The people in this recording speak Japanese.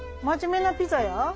真面目なピザや？